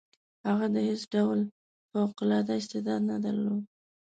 هغه د هیڅ ډول فوق العاده استعداد نه درلود.